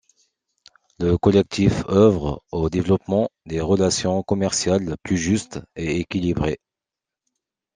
Le collectif œuvre au développement des relations commerciales plus justes et équilibrées.